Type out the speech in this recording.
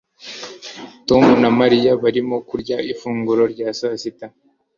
Tom na Mariya barimo kurya ifunguro rya sasita